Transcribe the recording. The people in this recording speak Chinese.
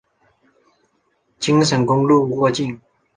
京沈公路过境。